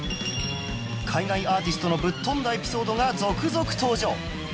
海外アーティストのぶっ飛んだエピソードが続々登場